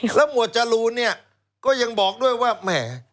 แล้วหมวดจรูนก็ยังบอกด้วยว่า